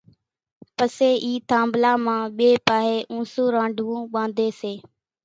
پسي اِي ٿانڀلان مان ٻئي پاۿي اُونسون رانڍوئون ٻانڌي سي